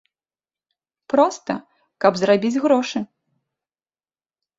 Проста, каб зарабіць грошы.